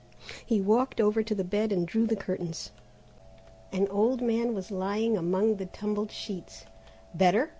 He walked over to the bed and drew the curtains. An old man was lying among the tumbled sheets. "Better?"